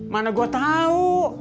mana gua tahu